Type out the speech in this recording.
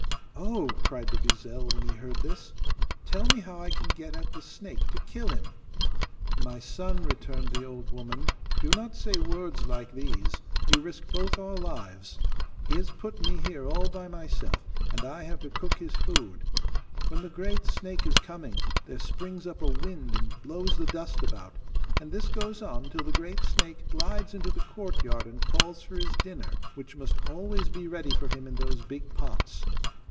'Oh!' cried the gazelle when he heard this; 'tell me how I can get at the snake to kill him?' 'My son,' returned the old woman, 'do not say words like these; you risk both our lives. He has put me here all by myself, and I have to cook his food. When the great snake is coming there springs up a wind, and blows the dust about, and this goes on till the great snake glides into the courtyard and calls for his dinner, which must always be ready for him in those big pots.